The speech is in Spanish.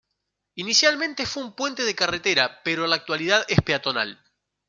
Inicialmente fue un puente de carretera, pero en la actualidad es peatonal.